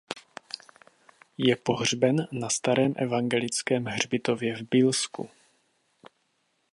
Je pohřben na starém evangelickém hřbitově v Bílsku.